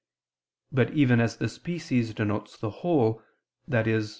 But even as the species denotes the whole, i.e.